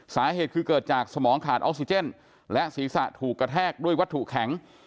สาเหตุคือเกิดจากสมองขาดออกซิเจนและศีรษะถูกกระแทกด้วยวัตถุแข็ง